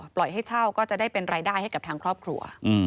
ปล่อยให้เช่าก็จะได้เป็นรายได้ให้กับทางครอบครัว